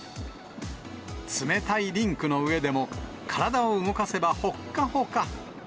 冷たいリンクの上でも、体を動かせば、ほっかほか。